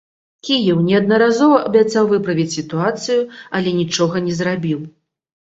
Кіеў неаднаразова абяцаў выправіць сітуацыю, але нічога не зрабіў.